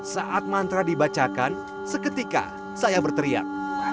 saat mantra dibacakan seketika saya berteriak